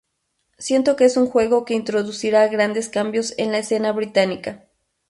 Siento que es un juego que introducirá grandes cambios en la escena británica.